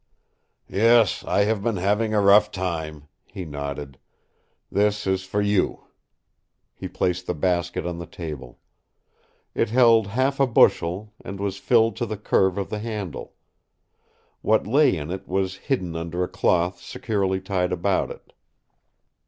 "Yes, I have been having a rough time," he nodded, "This is for you!" He placed the basket on the table. It held half a bushel, and was filled to the curve of the handle. What lay in it was hidden under a cloth securely tied about it.